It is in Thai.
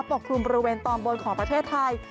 บริเวณตอนบนของประเทศไทย